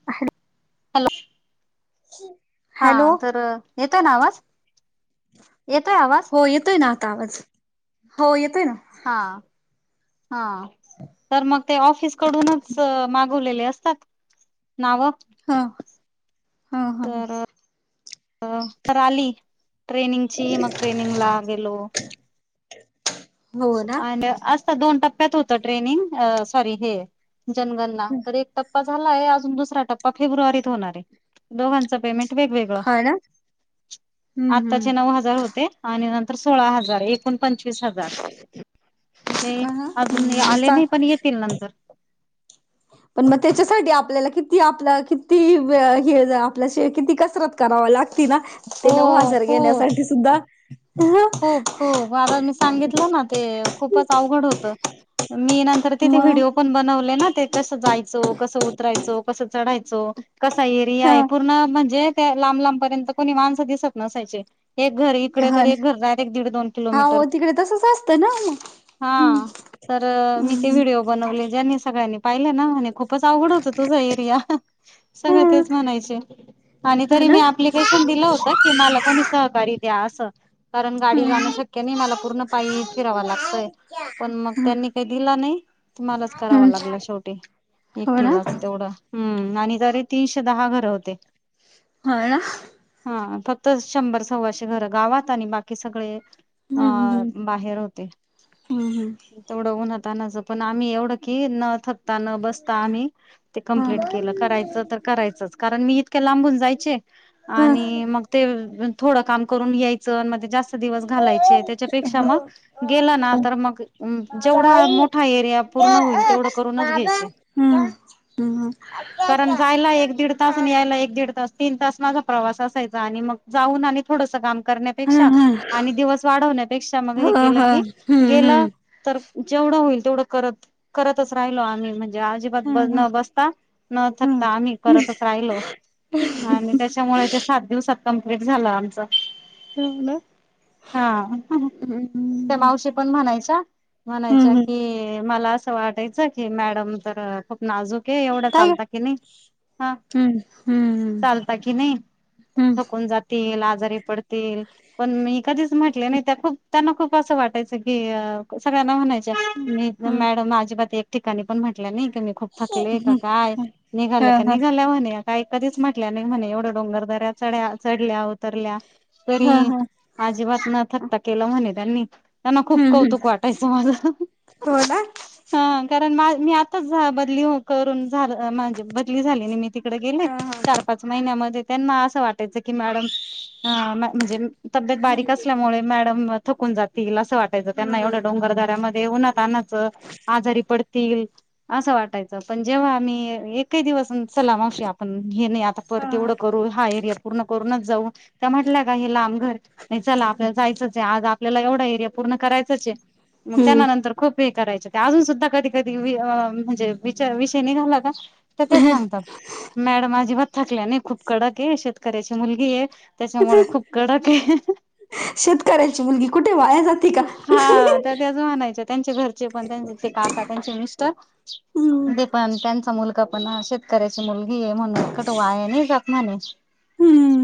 [unintelligible] Hello [unintelligible] हा तर येतोय ना आवाज, येतोय आवाज? हो येतोय ना ता आवज हो येतोय ना हा हा तर मग ते ऑफिसडूनच [unintelligible] असतात नाव ह ह ह ह तर तर आली, ट्रेनिंगची मग ट्रेनिंग ला गेलो. हो ना [unintelligible] आज तर दोन टप्प्यात होत ट्रेनिंग अ सॉरी हे जनगणना तर एक टप्पा झालाये अजून दुसरा टप्पा फेब्रुवारीत होणार आय दोघांच पेमेंट वेगवेगळं हा ना हम्म हम्म आताचे नऊ हजार होते आणि तर सोळा हजार एकोण पंचवीस हजार म्हण तेे हम्म. अजून आले नाही पण येतील नंतर पण मग त्याच्यासाठी आपल्याला किती आपलं किती हे आपला किती कसरत करावा लागती ना ते हो नऊ हजर हो येण्यासाठी सुद्धा खूप खूप आता मी सांगितलं ना ते खूपच अवघड होत मी नंतर तर तिथे मग व्हिडिओ पण बनवले ना ते कंस जायचं कस उतरायचो कस चढायचो कसा एरिया हा आहे पूर्ण मणजे लांब लांबपर्यंत कोणी माणस दिसत नसायचे एक घर इकड हा तर एक घर डायरेक्ट दीड, दोन हा हो किलोमीटर तिकडे तसच असतं ना मग हा. तर मी ते व्हिडिओ बनवले ज्यांनी सगळ्यांनी पाहिले ना म्हणे खूपच आवड होत तुझा एरिया सगळं तेच म्हणायचे आणि ह तरी ना मी अप्लिकेशन दिलं होत. मला कोणी सहकार्य द्या असं. कारण गाडी जाणं शक्य नाइ मला पूर्ण पायी फिरावा लागतय. पण मग हम्म त्यांनी काई दिला नाई तुम्हालाच करावा हम्म लागला शेवटी हो ना एकटिलाच तेवढ हम्म आणि जरी तीनशे दहा घर होते. हा ना. हा फक्त शंभर सव्वाशे घर गावात आणि बाकी सगळे अ हम्म हम्म बार होते हम्म हम्म तेवढ उन्हातांनाच पण आम्ही एवढं की न ता न बसता आम्ही ते कमप्लीट केलं करायचं तर करायचंच कारण मी इतके लांबून जायचे हम्म आणि मग ते थोडं काम करून यायच मी ते. दिव घालायचे त्याच्यापेक्षा मग गे ना तर मग जेवढा हा एरिया पूर्ण होईल तेवढं करूनच घ्यायचे. हम्म. हम [unintelligible] कारण जायला एक दीड तास आणि यायला एक दीड तास तीन तास माझा प्रवास असायचा आणि मग जाऊन आणि थोडस काम करण्यापेक्षा आणि दिवस वाढवण्यापेक्षा मग हम्म हम्म हम्म हम्म हम्म हम्म हे हम्म केलं की गेलं. तर जेवढं होईल तेवढं करत करतच राहिलो आम्ही म्हणजे अजिबात ब न बसता न थकता आम्ही करतच राहिलो. आणि त्याच्यामुळे ते सात दिवसात कम्प्लीट झालं आमच. हा ना. हा त्या मावशी पण म्हणायच्या म्हणायच्या की मला अस. वाटायचं की मॅडम तर खूप नाजूक आहे एवढा हम्म चालत की नाही हा. चालता कि नाही थकून जातील, आजारी पडतील, पण मी कधीच म्हटले नाही त्या खूप त्यांना खूप असं वाटायचं की सगळ्यांना म्हणायच मी मॅडम अजिबात एक ठिकाणी पण म्हटलं नाही मी खूप थकली आहे का काय निघाल्या का हम्म निघाल्या म्हणे. काही कधीच म्हटल्या नाही म्हणे एवढं डोंगर दऱ्या चढ्या चढल्या उतरल्या तरी हम्म अजीबात न थकता केला म्हणे त्यांनी. त्यांना खूप हम्म कौतुक वाटायच माझ. हो ना हा कारण मी आताच बदली हो करून झा माझ बदली झाली नाही मी तिकडे गेले. हा हा. चार, पाच महिन्या मध्ये त्यांना असं वाटायच की मॅडम म्हणजे तब्येत बारीक असल्यामुळे मॅडम थकून जातील असं वाटायचं त्यांना एवढ्या डोंगरदऱ्या मध्ये. उन्हात आणनाच आजारी पडतील. असं वाटायचं पण जेव्हा आम्ही एकही दिवस चलामावशी आपण हे नाही आता. हा तेवढ हा. करू हा एरिया पूर्ण करूनच जाऊ म्हटल्या का हे लांब घर नाही चला आपल्याला जायचंच आहे आज आपल्याला एवढा एरिया पूर्ण करायचंच आहे मग हम्म त्यानंतर खूप हे करायच ते अजून सुद्धा कधी, कधी, म्हणजे विचार विषय निघाला का तर तेच सांगतात. मॅडम अजिबात थकल्या नाही खूप कडक आहे शेतकऱ्याची मुलगी आहे त्याच्यामुळे खूप कडक आहे. शेतकऱ्याची मुलगी कुठे वाया जाते. का? हा तर त्यातेच म्हणायच्या त्यांचे घरचे पण त्यांचे ते काका, त्यांचे मिस्टर हम्म ते पण त्यांचा मुलगा पण शेतकऱ्याची मुलगी आहे म्हणून क तो वाया नाही जात म्हणे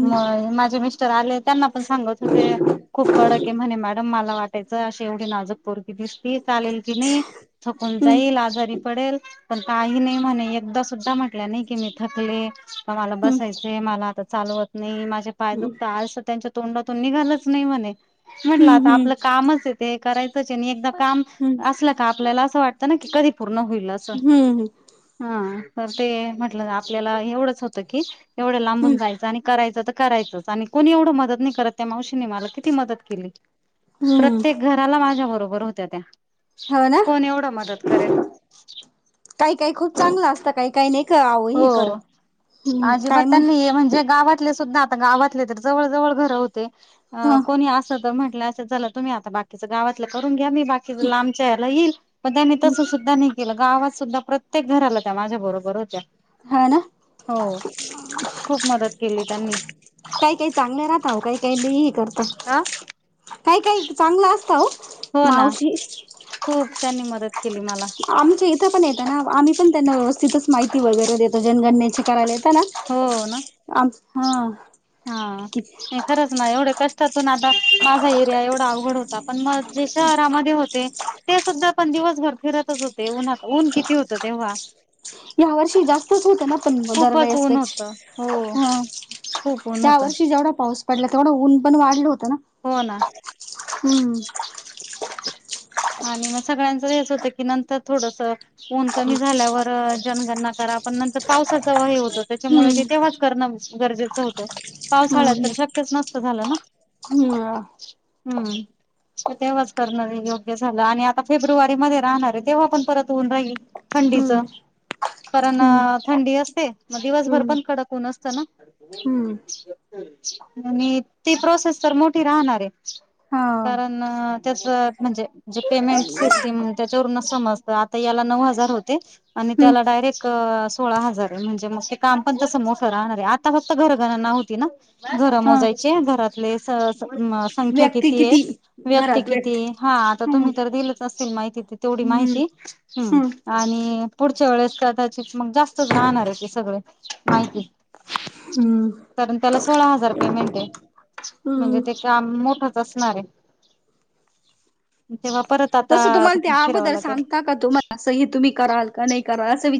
म माझे मिस्टर आले त्यांना पण सांगत होते खूप कडक आहे म्हणे मॅडम मला मला वाटायचं अशी एवढी नाजुक पोरगी दिसती चालेल की नाही. थकून हम्म जाईल आजारी पडेल पण काही नाही म्हणे एकदाच सुद्धा म्हटल्या नाही की मी थकले तर मला हम्म बसायचे मला आता चालवत नाही माझ्या बाय दुखत आसं त्यांच्या तोंडातून निघालच नाही म्हणे म्हटलं हम्म आता हम्म. आपलं कामच आहे ते हे करायचं त्याच्यानी एकदा काम हम्म असलं का आपल्याला असं वाटतं ना की कधी पूर्ण होईल असं. हम्म हा तर ते म्हटलं आपल्याला एवढंच होतं की एवढं लांबून हम्म जायचं आणि करायचं त करायचंच आणि कोणी एवढं मदत नाही करत त्या मावशीने मला किती मदत केली. हम्म प्रत्येक घराला माझ्या बरोबर होत्या त्या हो ना कोण एवढं मदत करेल. काही काही खूप चांगलं असतं काही काही नाही कर आव हो हे करत. हम्म काय अजिबात मग त्यांनी म्हणजे गावातले सुद्धा गावातले तर जवळ जवळ घर होते हा कोणी अस जर म्हटल झालं तुम्ही आता बाकीच गावातलं करून घ्या मी बाकीच लांबच्या या्याला येईल पण त्यांनी तस सुद्धा नाही गावात सुद्धा प्रत्येक घराला त्या माझ्या बरोबर होत्या. हा ना. हो खूप मदत केली त्यांनी. काही काही चांगले राहतव काही काहीही लई हे करता हा काही काही चांगलं असत हो. हो ना मावशी खूप त्यांनी मदत केली मला आमच्या इथं पण येतं ना आम्ही पण त्यांना व्यवस्थितच माहिती वगैरे देतो जनगणनेची करायला येत ना. हो ना. आम हा. हा किती नाही खरंच ना एवढ्या कष्टातून आता माझा एरिया एवढा अवघड होता पण मग जे शहरामध्ये होते ते सुद्धा आपण दिवस घर फिरतच होत ते न ऊन किती होतं तेव्हा. या वर्षी जास्त तेच होत ना पण खूपच ऊन दरवेळेसच होत हो ह खूप ऊन या होत वर्षी जेवढा पाऊस पडलं होत थोडं ऊन पण वाढलं होतं ना. हो ना. हमम. आणि मग सगळ्यांचं हेच होतं की नंतर थोडस ऊन कमी झाल्यावर जनगणना करा पण नंतर पावसाचा व हे होत त्याच्यामुळे तेव्हाच करणं गरजेचं होतं पावसाळ्यात तर शक्यच नसत झालं ना. हमम. हम्म ते तेव्हाच करण वेगळ हे झालं आणि आता फेब्रुवारी मध्ये राहणार आहे तेव्हा पण परत होऊन राहील थंडीच हम्म कारण हम्म अ हम्म थंडी असते मग दिवसभर हम्म पण कडक ऊन असत ना. हम्म आणि तेी प्रोसेस तर मोठी राहणार आहे हा कारण ण त्याच म्हणजेे जे पेमेंट सिस्टीम त्याच्यावरून समजत आता याला नऊ हजार होते. आणि हम्म त्याला डायरेक्ट अ सोळा हजार आहे म्हणजे मग काम पण तस मोठ राहणार आहे आता फक्त घरघणंना होती ना घर हा मोजायची घरातले म अ संख्या किती ये व्यक्ती किती ये. तुम्ही तर दिलच असल माहिती तेवढी हम्म माहिती हम्म आणि पुढच्या वेळेस का कदाचित मग जास्तच राहणार आहे ते सगळे माहिती हम्म कारण त्याला सोळा हजार पेमेंट आहे म्हणजे ते काम मोठच असणारये. तेव्हा पण तसं तुम्हाला त्या अगोदर सांगता का तुम्हाला असं हे तुम्ही कराल का नाही कराल असं वि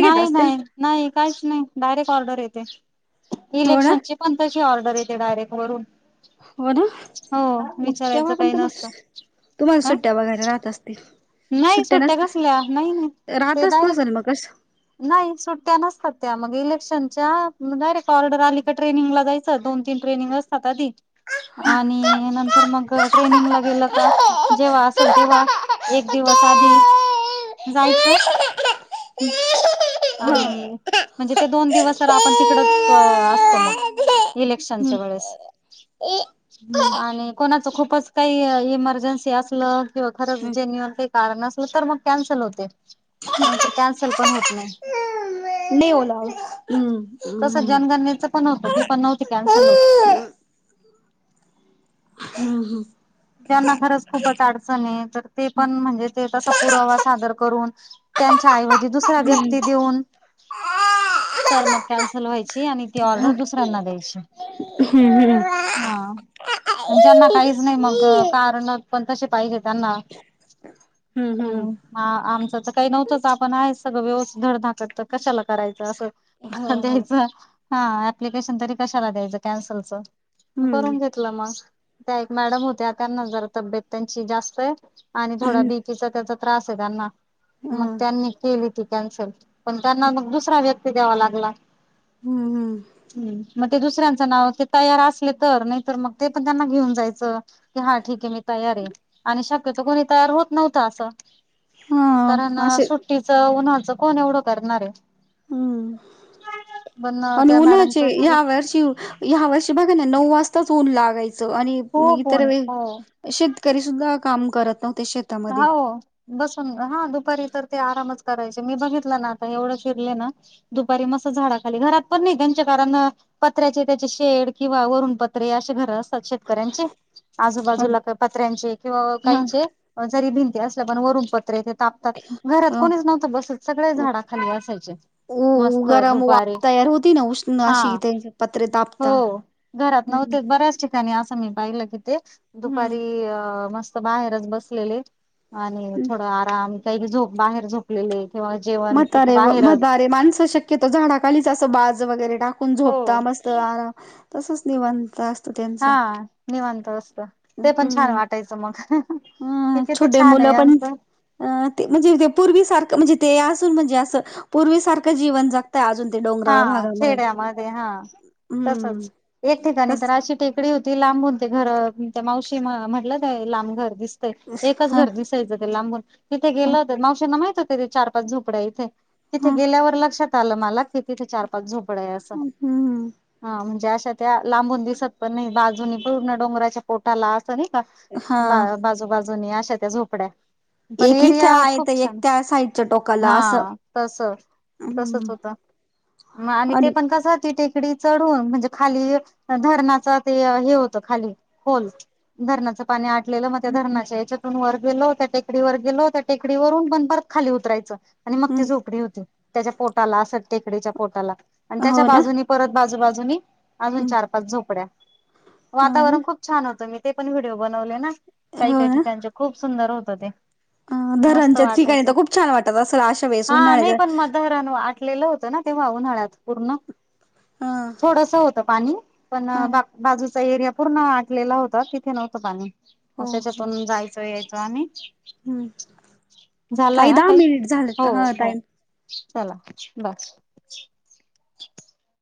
नाही नाही नाही काहीच नाही डायरेक्ट ऑर्डर येते हो ना इलेक्शनची. कंप्लशी ऑर्डर येते डायरेटवरून. हो ना मग विचारायचं तेव्हा पण काही त म नसतं तुम्हाला हा सुट्ट्या वगैरे राहत असतील. नाही सुट्ट्या कसल्या नाही ते राहतच नसेल मग डायरेक्ट कसं नाही सुट्ट्या नसतात त्या मग इलेक्शनच्या म डायरेक्ट ऑर्डर आली का ट्रेनिंगला जायच य दोन तीन ट्रेनिंग असतात अधी हा आणि नंतर मग ट्रेनिंगला गेलं का जेव्हा असेल तेव्हा एक दिवस आधी जायचं [unintelligible] हम्म आणि हम्म म्हणजे ते दोन दिवस रा आपण तिकडच असतो मग इलेक्शनच्या हम्म वेळेस आणि कोणाच खूपच काही इमर्जन्सी असलं किंवा खरंच हम्म जेन्युन काही कारण असलं तर मग कॅन्सल होते नाही तर कॅन्सल पण होत नाही नाही ओला ज हम्म तसं हम्म जनगणनेच पण होतं ती पण नव्हती कॅन्सल होती हम्म त्यांना खरंच खूपच अडचण आहे तर ते पण म्हणजे ते तसा पुरावा सादर करून त्यांच्या ऐवजी दुसऱ्या हम्म. व्यक्ती देऊन तर मग हम्म. कॅन्सल व्हायची आणि ती ऑर्डर दुसऱ्यांना द्यायची हम्म हम् हा ज्यांना काहीच नाही मग क कारण पण तसे पाहिजे त्यांना हम्म आणि हम्म. आ आमच तर काही नव्हतंच आपण आहे सगळं व्यवस्थित धडधाकड तर कशाला करायचं हो असं हो. द्यायचं हा ऍप्लिकेशन तरी कशाला द्यायचं कॅन्सलच म करून हम्म. घेतलं मग त्या एक मॅडम होत्यात त्यांना जरा तब्येत त्यांची जास्त आणि थोडा बीपीचा त्याचा त्रास आहे त्यांना हा. मग त्यांनी केली ती कॅन्सल पण त्यांना मग दुसरा व्यक्ती द्यावा लागला हम्म हम्म [inaudible] हम् मग ते दुसऱ्यांचं नाव ते तयार असले तर नाहीतर मग ते पण त्यांना घेऊन जायचं की हा ठीक आहे मी तयार आहे आणि शक्यतो कोणी तयार होत नव्हतं असं कारण हा असे सुट्टीचं उन्हाचं कोण एवढं करणारे हम्म आणि त्या उन्हाचे मॅडमच झालं या वर्षी ह्या वर्षी बघा ना नऊ वाजताच ऊन लागायचं आणि म खूप ऊन इतर हो वेळी शेतकरी सुद्धा काम करत नव्हते शेतामध्ये. होव बसून हा दुपारी तर ते आरामच करायचे मी बघितलं ना आता एवढं फिरले ना दुपारी मस्त झाडा खाली घरात पण नाही त्यांच्या कारण पत्र्याचे त्याचे शेड किंवा वरुण पत्रे अशे घर असतात शेतकऱ्यांचे आजूबाजूला क पत्र्यांचे किंवा हा काहींचे जरी भिंती असल्या पण वरून पत्रे ते ताप घरात हा. कोणीच नव्हतं बसत सगळे झाडा खाली असायचे उ मस्त गरम दुपारी वाफ तयार होती ना उष्ण हा अशी त्याची पत्रे ताप - हो घरात नव्हते बऱ्याच ठिक - त्यानी असं मी पाहिलं की ते दुपारी हम्म. अ मस्त बाहेरच बसलेले आणि थोड आराम काही झोप बाहेर झोपलेले किंवा जेवण तिथे म्हातारे व बाहेरच म्हातारे माणस शक्य - तीथ झाडाखालीच अस बाज वगैरे टाकून हो झोपता मस्त आरा तसच निवांत अस हा निवांत असत ते पण छान हम्म. वाटायचं मग ते अ किती छोटे छान मुलं आहे पण आमचं अ ते म्हणजे ते पूर्वी सारखं म्हणजे ते असून म्हणजे असं पूर्वीसारखं जीवन जगता अजून ते डोंगराळ भागात खेड्या मध्ये हा तसच एक ठिकाणी तर तस अशी टेक कडी होती लांबून ते घर मावशी म्हटलं ते लांब घर दिसते एकच ह घर दिस [unintelligible] लांबून तिथे ह गेल्या होत्या मावशींना माहिती होत तिथ चार पाच झोपड्या इथे तिथे ह गेल्यावर लक्षात आलं मला कि तिथे चार पाच झोपड आहे असं हम्म हा म्हणजे अशा त्या लांबून दिसत पण नाही बाजूनी पूर्ण डोंगराच्या पोटाला नाही का हा बा बाजूबाजूननी अशा त्या झोपड्या पण एक इथे एरिया आहे तर खूप एक छान त्या साईडच्या टोकाला हा असं तस तसच हम्म होत म आणि ते पण कस होतीे डी चढ होन म्हणजे खाली धरणाच ते हे होत खाली खोल धरणाचं पाणी आठ ले म त्या हम्म धरणाच्या याच्यातून वर गेलो त्या टेकडी वर गेलो त्या टेकडीवररून पण परत खाली उतरायचं आणि मग ती हम्म झोपडी होती त्याच्या पोटाला अस टेकडीच्या पोटाला आणि त्याच्या हो ना बाजूनी परत बाजूबाजूनी अजून हम्म चार पाच झोपड्या हो ना वातावरण खूप छान होत मी ते पण व्हिडिओ बनवले ना काही हो काही ना ठिकाचे खूप सुंदर होत ते अ मस्त धरणच्या ठिकाणी वाटायचं तर खूप छान वाटतात असं अशा वेळेस उन्हाळ्याच दहरन आटलेलं होतं ना ते वाहून हळत पूर्ण ह थोडस होत पाणी पण हा बा बाजू एरिया पूर्ण आटलेला होता तिथे नव्हतं पाणी हो मस् हो त्याच्यातून जायचं यायचं आणि हम्म झालाय ताई ह दहा काही मिनिट झालेत हो हा हो टाईम चला बस [inaudible]